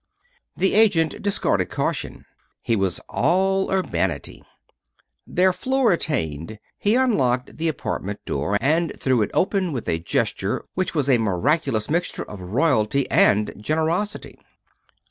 The agent discarded caution; he was all urbanity. Their floor attained, he unlocked the apartment door and threw it open with a gesture which was a miraculous mixture of royalty and generosity.